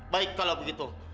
baik kalau begitu